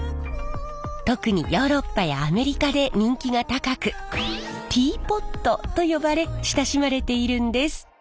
特にヨーロッパやアメリカで人気が高くティーポットと呼ばれ親しまれているんです。